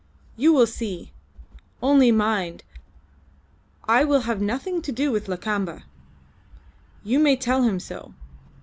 You will see. Only mind, I will have nothing to do with Lakamba. You may tell him so.